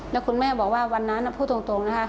แล้วคุณแม่บอกว่าวันนั้นพูดตรงนะคะ